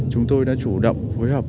chúng tôi đã chủ động phối hợp